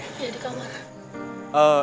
iya di kamar